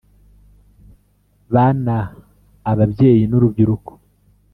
bana ababyeyi n urubyiruko